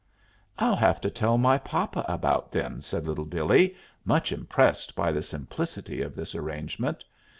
"I'll have to tell my papa about them," said Little Billee, much impressed by the simplicity of this arrangement.